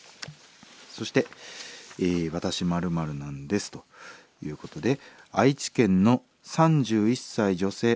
そして「わたし○○なんです」ということで愛知県の３１歳女性。